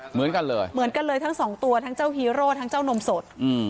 เหมือนกันเลยทั้ง๒ตัวทั้งเจ้าฮีโร่ทั้งเจ้านมสด